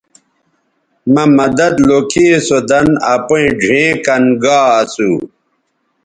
مہ مدد لوکھی سو دَن اپیئں ڙھیئں کَن گا اسو